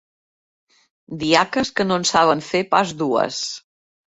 Diaques que no en saben fer pas dues.